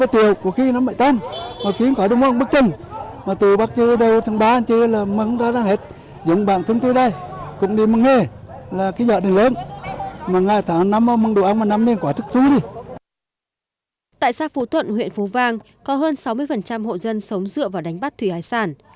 tại xã phú thuận huyện phú vang có hơn sáu mươi hộ dân sống dựa vào đánh bắt thủy hải sản